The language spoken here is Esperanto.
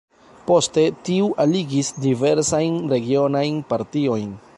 Poste tiu aligis diversajn regionajn partiojn.